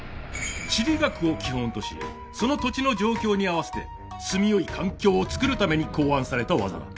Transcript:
地理学を基本としその土地の状況に合わせて住み良い環境をつくるために考案された技だ。